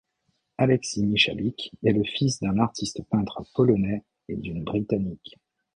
Alexis Michalik est le fils d'un artiste peintre polonais et d'une britannique.